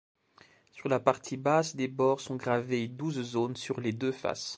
Sur la partie basse des bords sont gravées douze zones sur les deux faces.